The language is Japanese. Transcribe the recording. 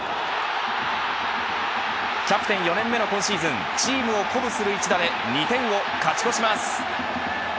キャプテン４年目の今シーズンチームを鼓舞する一打で２点を勝ち越します。